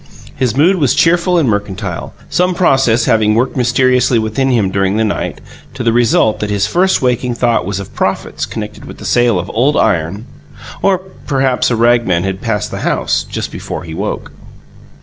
His mood was cheerful and mercantile; some process having worked mysteriously within him, during the night, to the result that his first waking thought was of profits connected with the sale of old iron or perhaps a ragman had passed the house, just before he woke.